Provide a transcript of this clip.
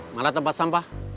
mana tempat sampah